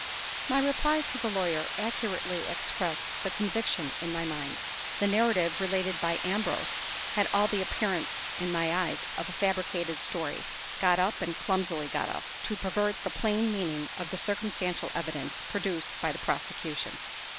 MY replies to the lawyer accurately expressed the conviction in my mind. The narrative related by Ambrose had all the appearance, in my eyes, of a fabricated story, got up, and clumsily got up, to pervert the plain meaning of the circumstantial evidence produced by the prosecution.